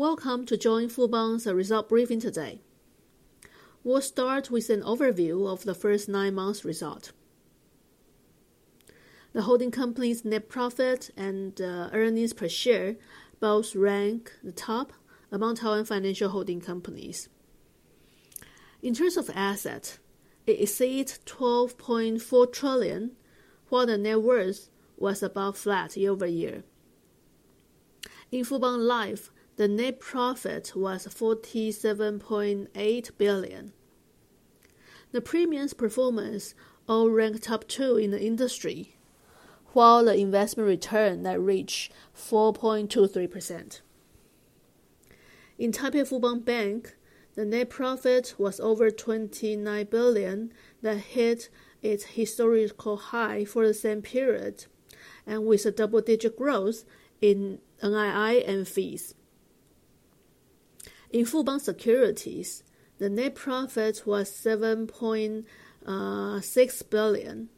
Welcome to join Fubon's result briefing today. We'll start with an overview of the first nine months' result. The holding company's net profit and earnings per share both rank the top among Taiwan Financial Holding Companies. In terms of assets, it exceeds 12.4 trillion, while the net worth was about flat year-over-year. In Fubon Life, the net profit was 47.8 billion. The premiums' performance all ranked top two in the industry, while the investment return reached 4.23%. In Taipei Fubon Bank, the net profit was over 29 billion that hit its historical high for the same period, and with double-digit growth in NII and fees. In Fubon Securities, the net profit was 7.6 billion.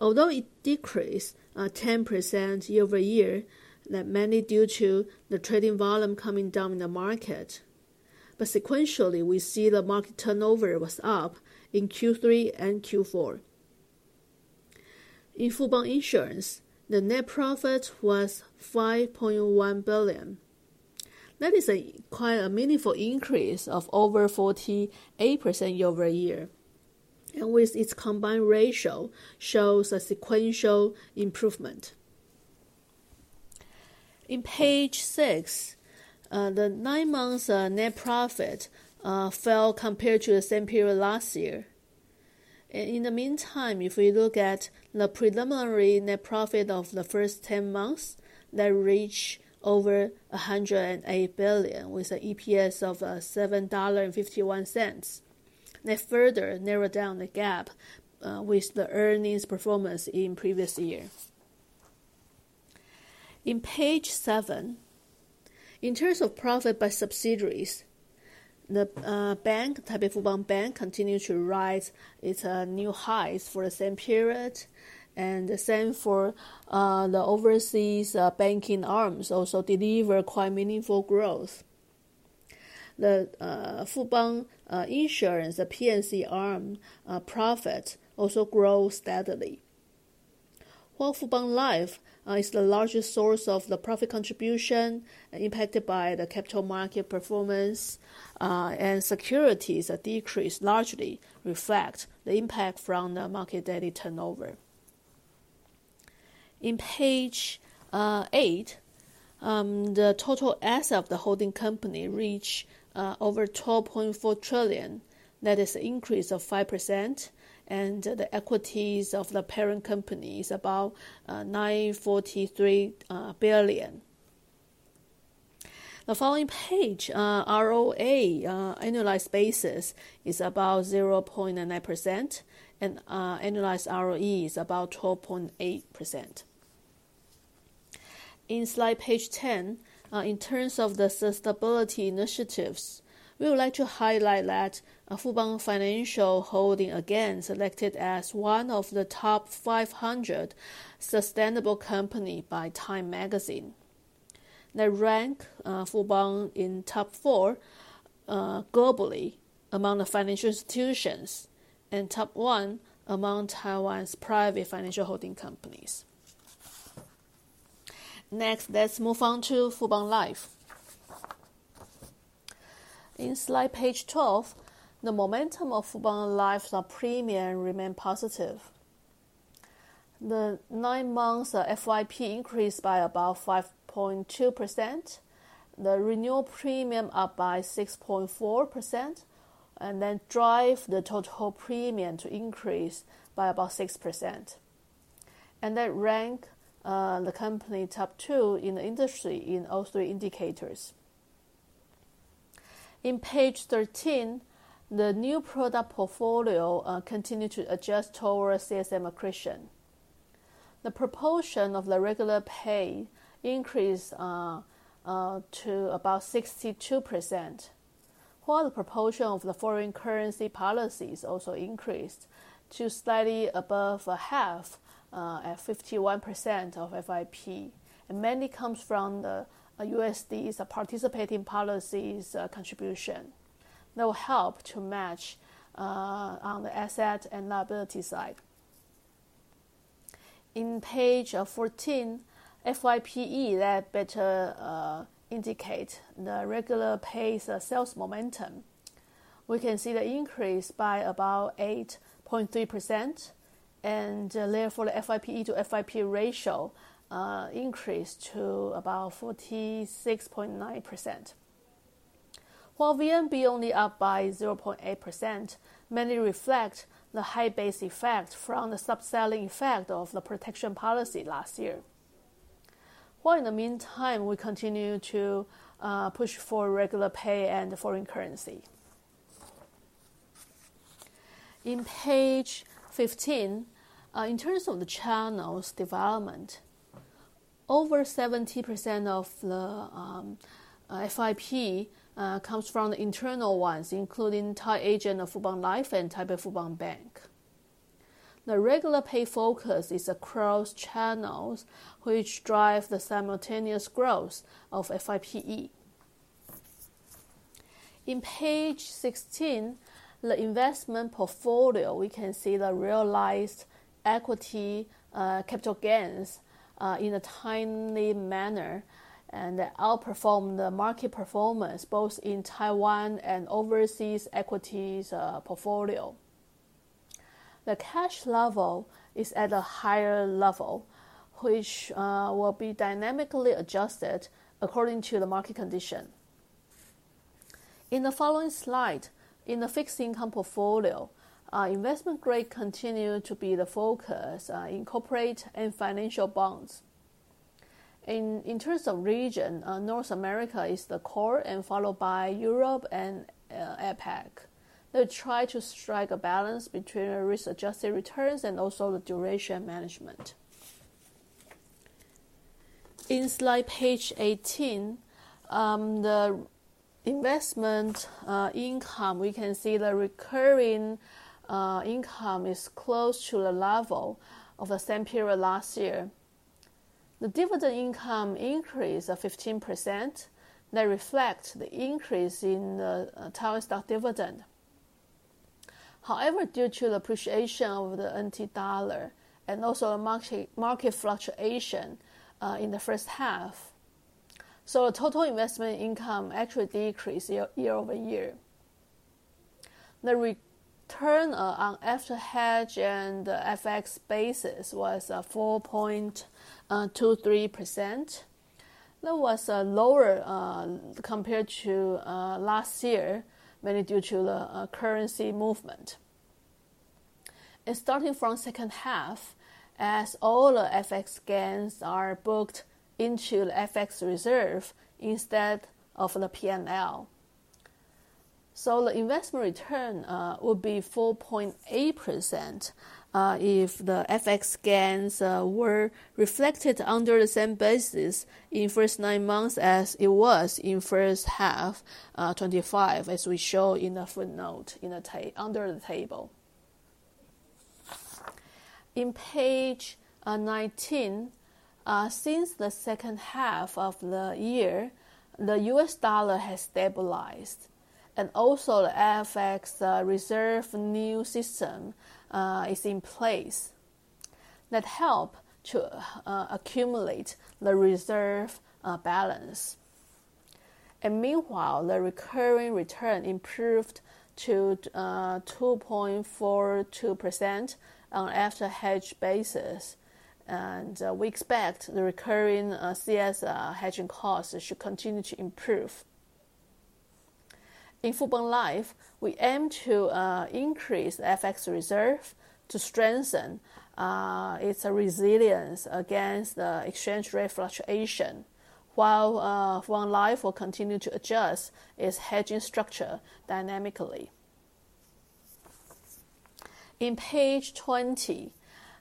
Although it decreased 10% year-over-year, that mainly due to the trading volume coming down in the market, but sequentially we see the market turnover was up in Q3 and Q4. In Fubon Insurance, the net profit was 5.1 billion. That is quite a meaningful increase of over 48% year-over-year, and with its combined ratio shows a sequential improvement. In page six, the nine months' net profit fell compared to the same period last year. In the meantime, if we look at the preliminary net profit of the first 10 months, that reached over 108 billion with an EPS of $7.51. That further narrowed down the gap with the earnings performance in previous year. In page seven, in terms of profit by subsidiaries, the bank, Taipei Fubon Bank, continues to rise its new highs for the same period, and the same for the overseas banking ARMs also deliver quite meaningful growth. The Fubon Insurance, the P&C ARM profit also grows steadily. While Fubon Life is the largest source of the profit contribution impacted by the capital market performance, and securities' decrease largely reflects the impact from the market daily turnover. In page eight, the total assets of the holding company reach over 12.4 trillion. That is an increase of 5%, and the equities of the parent company is about 943 billion. The following page, ROA annualized basis is about 0.9%, and annualized ROE is about 12.8%. In slide page 10, in terms of the sustainability initiatives, we would like to highlight that Fubon Financial Holding again selected as one of the top 500 sustainable companies by Time Magazine. That ranked Fubon in top four globally among the financial institutions, and top one among Taiwan's private financial holding companies. Next, let's move on to Fubon Life. In slide page 12, the momentum of Fubon Life's premium remained positive. The nine months' FYP increased by about 5.2%, the renewal premium up by 6.4%, and that drives the total premium to increase by about 6%. That ranked the company top two in the industry in all three indicators. In page 13, the new product portfolio continued to adjust towards CSM accretion. The proportion of the regular pay increased to about 62%, while the proportion of the foreign currency policies also increased to slightly above half at 51% of FIP, and mainly comes from the USD participating policies contribution. That will help to match on the asset and liability side. In page 14, FYPE that better indicates the regular pay sales momentum. We can see the increase by about 8.3%, and therefore the FYPE to FIP ratio increased to about 46.9%. While VNB only up by 0.8%, mainly reflects the high base effect from the sub-selling effect of the protection policy last year. While in the meantime, we continue to push for regular pay and foreign currency. In page 15, in terms of the channels' development, over 70% of the FIP comes from the internal ones, including tied agent of Fubon Life and Taipei Fubon Bank. The regular pay focus is across channels, which drives the simultaneous growth of FYPE. In page 16, the investment portfolio, we can see the realized equity capital gains in a timely manner, and that outperformed the market performance both in Taiwan and overseas equities portfolio. The cash level is at a higher level, which will be dynamically adjusted according to the market condition. In the following slide, in the fixed income portfolio, investment grade continues to be the focus in corporate and financial bonds. In terms of region, North America is the core, and followed by Europe and APAC. They try to strike a balance between risk-adjusted returns and also the duration management. In slide page 18, the investment income, we can see the recurring income is close to the level of the same period last year. The dividend income increased 15%. That reflects the increase in the Taiwan stock dividend. However, due to the appreciation of the NT dollar and also the market fluctuation in the first half, total investment income actually decreased year-over-year. The return on after hedge and FX basis was 4.23%. That was lower compared to last year, mainly due to the currency movement. Starting from second half, as all the FX gains are booked into the FX reserve instead of the P&L. The investment return would be 4.8% if the FX gains were reflected under the same basis in the first nine months as it was in the first half, 2025, as we show in the footnote under the table. In page 19, since the second half of the year, the US dollar has stabilized, and also the FX reserve new system is in place. That helped to accumulate the reserve balance. Meanwhile, the recurring return improved to 2.42% on after hedge basis, and we expect the recurring CS hedging costs should continue to improve. In Fubon Life, we aim to increase the FX reserve to strengthen its resilience against the exchange rate fluctuation, while Fubon Life will continue to adjust its hedging structure dynamically. In page 20,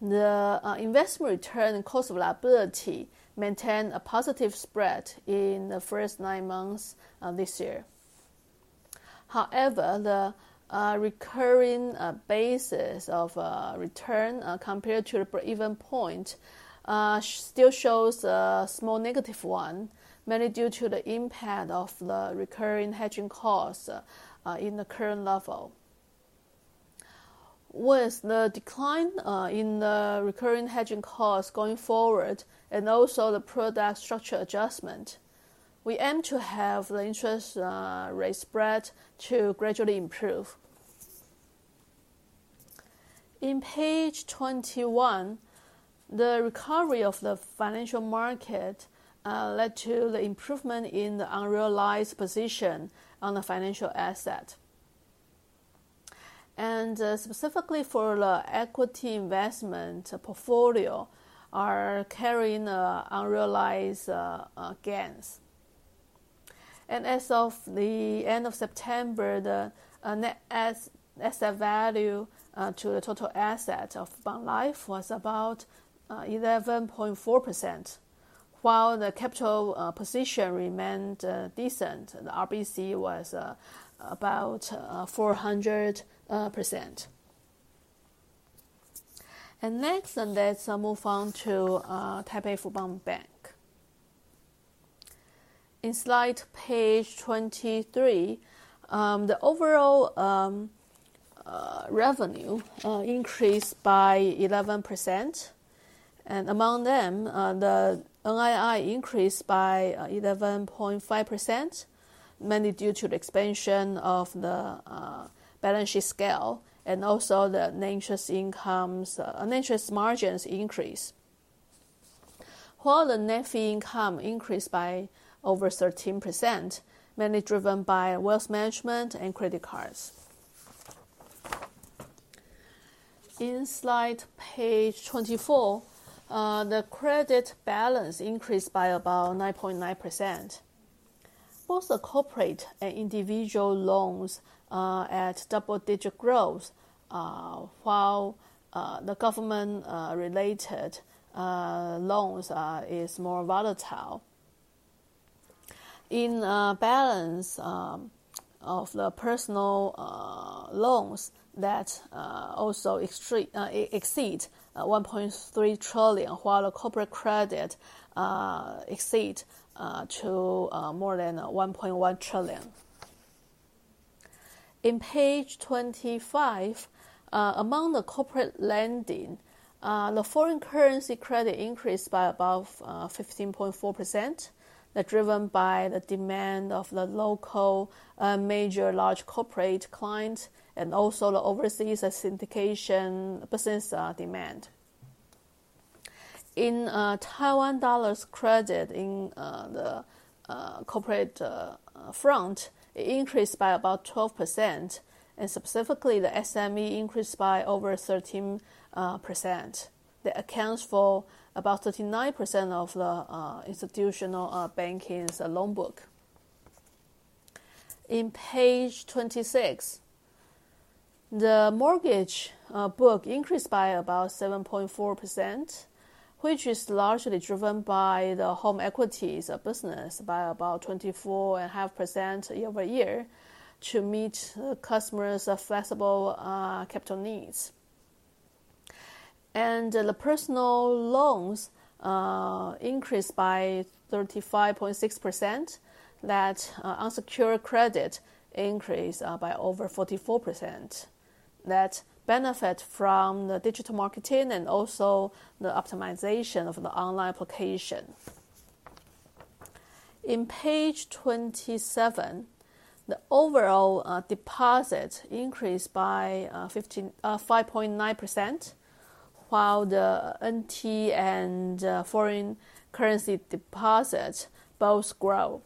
the investment return and cost of liability maintained a positive spread in the first nine months this year. However, the recurring basis of return compared to the even point still shows a small negative one, mainly due to the impact of the recurring hedging costs in the current level. With the decline in the recurring hedging costs going forward, and also the product structure adjustment, we aim to have the interest rate spread to gradually improve. On page 21, the recovery of the financial market led to the improvement in the unrealized position on the financial asset. Specifically for the equity investment portfolio, are carrying the unrealized gains. As of the end of September, the net asset value to the total asset of Fubon Life was about 11.4%, while the capital position remained decent. The RBC was about 400%. Next, let's move on to Taipei Fubon Bank. In slide page 23, the overall revenue increased by 11%, and among them, the NII increased by 11.5%, mainly due to the expansion of the balance sheet scale and also the interest margins increase. While the net fee income increased by over 13%, mainly driven by wealth management and credit cards. In slide page 24, the credit balance increased by about 9.9%. Both the corporate and individual loans at double-digit growth, while the government-related loans are more volatile. In balance of the personal loans that also exceed 1.3 trillion, while the corporate credit exceed to more than 1.1 trillion. In page 25, among the corporate lending, the foreign currency credit increased by about 15.4%, driven by the demand of the local major large corporate clients and also the overseas syndication business demand. In NT dollars credit in the corporate front, it increased by about 12%, and specifically the SME increased by over 13%. That accounts for about 39% of the institutional banking's loan book. In page 26, the mortgage book increased by about 7.4%, which is largely driven by the home equities business by about 24.5% year-over-year to meet customers' flexible capital needs. The personal loans increased by 35.6%. That unsecured credit increased by over 44%. That benefits from the digital marketing and also the optimization of the online application. In page 27, the overall deposit increased by 5.9%, while the NT and foreign currency deposits both grow.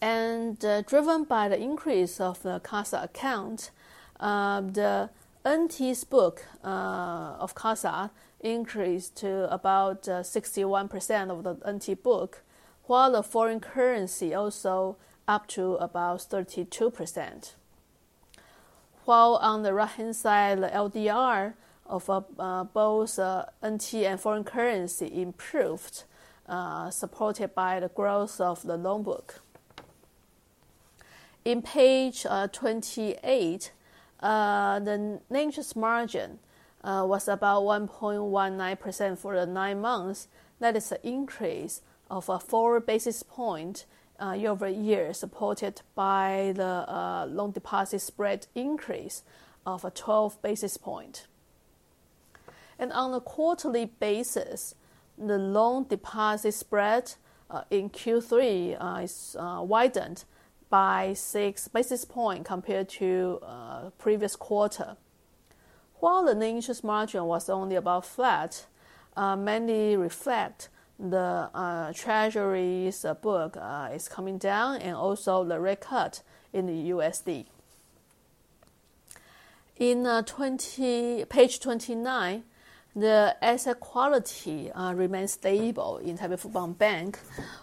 Driven by the increase of the CASA account, the NT's book of CASA increased to about 61% of the NT book, while the foreign currency also up to about 32%. While on the right-hand side, the LDR of both NT and foreign currency improved, supported by the growth of the loan book. In page 28, the net margin was about 1.19% for the nine months. That is an increase of four basis points year-over-year, supported by the loan deposit spread increase of 12 basis points. On a quarterly basis, the loan deposit spread in Q3 is widened by six basis points compared to the previous quarter. The net interest margin was only about flat, mainly reflect the treasury's book is coming down and also the rate cut in the USD. In page 29, the asset quality remained stable in Taipei Fubon Bank,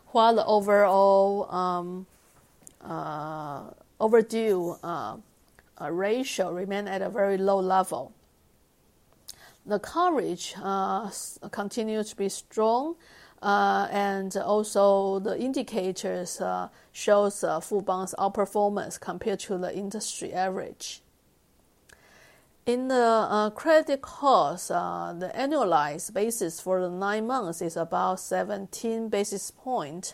while the overall overdue ratio remained at a very low level. The coverage continues to be strong, and also the indicators show Fubon's outperformance compared to the industry average. In the credit costs, the annualized basis for the nine months is about 17 basis points,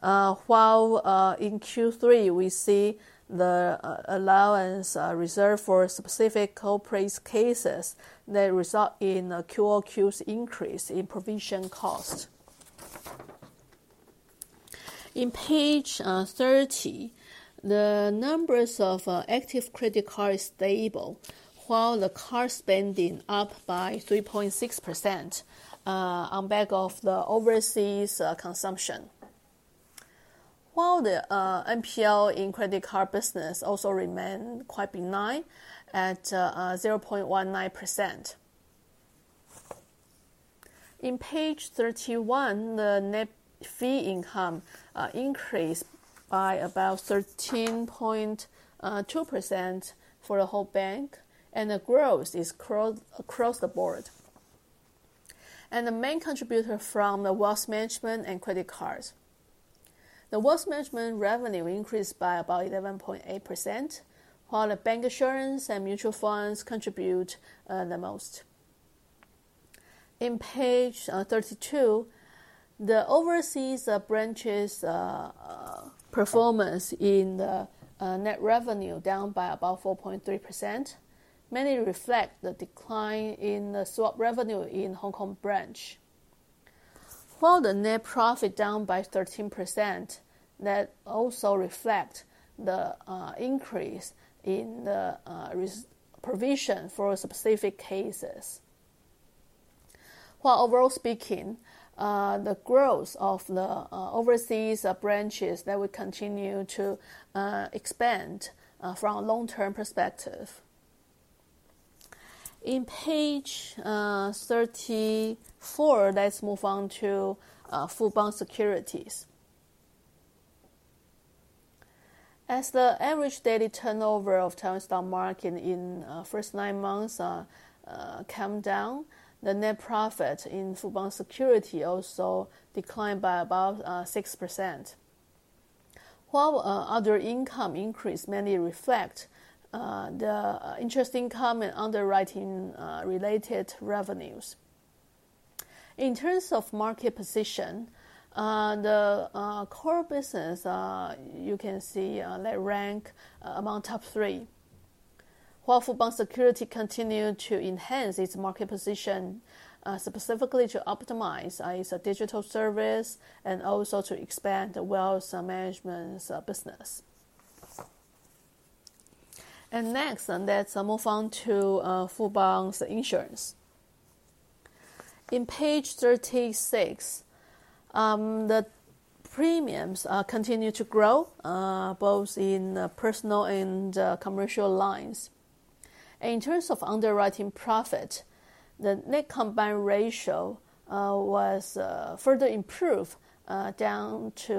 while in Q3, we see the allowance reserved for specific corporate cases that result in QoQ's increase in provision cost. In page 30, the numbers of active credit cards are stable, while the card spending is up by 3.6% on behalf of the overseas consumption, while the NPL in credit card business also remained quite benign at 0.19%. In page 31, the net fee income increased by about 13.2% for the whole bank, and the growth is across the board. The main contributor from the wealth management and credit cards. The wealth management revenue increased by about 11.8%, while the bancassurance and mutual funds contribute the most. In page 32, the overseas branch's performance in the net revenue is down by about 4.3%, mainly reflecting the decline in the swap revenue in Hong Kong branch, while the net profit is down by 13%. That also reflects the increase in the provision for specific cases. While overall speaking, the growth of the overseas branches will continue to expand from a long-term perspective. In page 34, let's move on to Fubon Securities. As the average daily turnover of Taiwan stock market in the first nine months came down, the net profit in Fubon Securities also declined by about 6%, while other income increases mainly reflect the interest income and underwriting-related revenues. In terms of market position, the core business you can see that ranks among top three, while Fubon Securities continues to enhance its market position specifically to optimize its digital service and also to expand the wealth management business. Next, let's move on to Fubon Insurance. In page 36, the premiums continue to grow both in personal and commercial lines. In terms of underwriting profit, the net combined ratio was further improved down to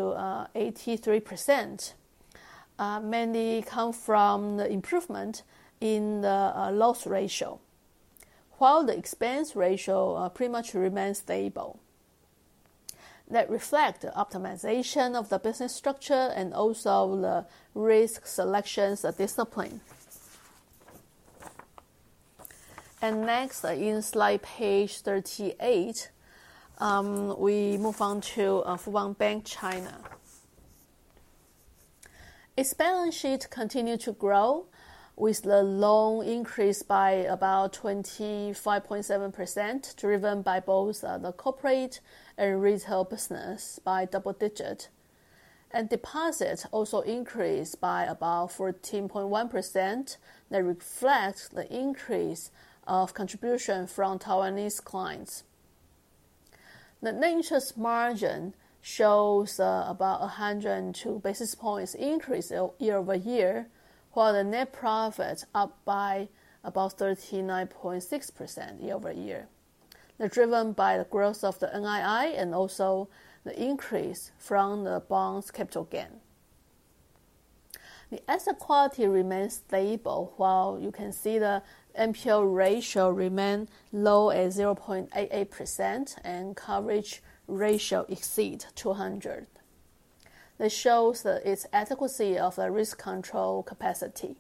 83%, mainly coming from the improvement in the loss ratio, while the expense ratio pretty much remained stable. That reflects the optimization of the business structure and also the risk selection discipline. Next, in slide page 38, we move on to Fubon Bank, China. Its balance sheet continues to grow with the loan increase by about 25.7%, driven by both the corporate and retail business by double digits, and deposits also increased by about 14.1%. That reflects the increase of contribution from Taiwanese clients. The net interest margin shows about 102 basis points increase year-over-year, while the net profit is up by about 39.6% year-over-year, driven by the growth of the NII and also the increase from the bonds capital gain. The asset quality remains stable, while you can see the NPL ratio remains low at 0.88% and coverage ratio exceeds 200. That shows its adequacy of the risk control capacity.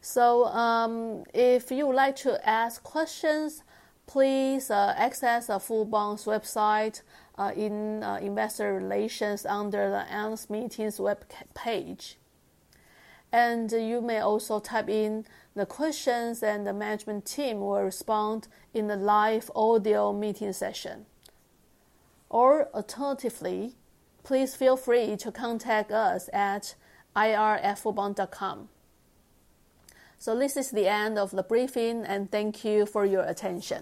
If you would like to ask questions, please access Fubon's website in Investor Relations under the Announced Meetings web page, and you may also type in the questions, and the management team will respond in the live audio meeting session. Alternatively, please feel free to contact us at ir@fubon.com. This is the end of the briefing, and thank you for your attention.